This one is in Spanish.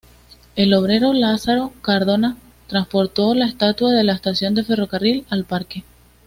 El obrero Lázaro Cardona transportó la estatua de la estación del Ferrocarril al parque.